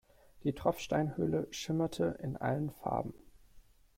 Die Tropfsteinhöhle schimmerte in allen Farben.